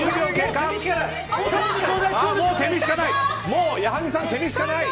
もうセミしかない！